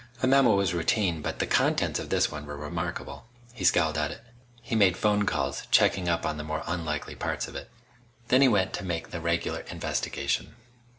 A memo was routine, but the contents of this one were remarkable. He scowled at it. He made phone calls, checking up on the more unlikely parts of it. Then he went to make the regular investigation.